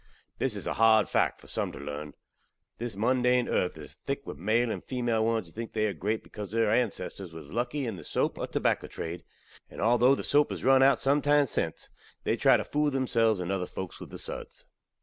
This iz a hard phakt for some tew learn. This mundane earth iz thik with male and femail ones who think they are grate bekause their ansesstor waz luckey in the sope or tobacco trade; and altho the sope haz run out sumtime since, they try tew phool themselves and other folks with the suds.